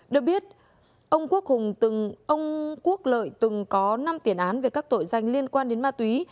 được biết ông quốc lợi từng có năm tiền án về các tội danh liên quan đến ma túy